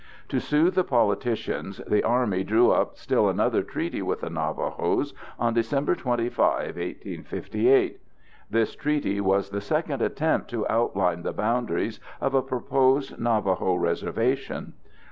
To soothe the politicians, the Army drew up still another treaty with the Navajos on December 25, 1858. This treaty was the second attempt to outline the boundaries of a proposed Navajo reservation.